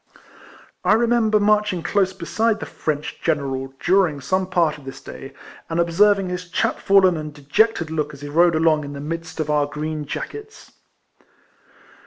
I remember marching close beside the French general during some part of this day, and observing his chap fallen and dejected look as he rode along in the midst of the green jackets.